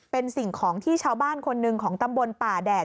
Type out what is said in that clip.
เป็นสิ่งของที่ชาวบ้านคนหนึ่งของตำบลป่าแดด